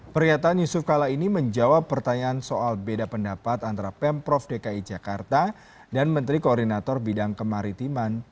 pernyataan yusuf kala ini menjawab pertanyaan soal beda pendapat antara pemprov dki jakarta dan menteri koordinator bidang kemaritiman